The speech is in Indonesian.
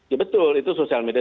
ya betul itu sosial media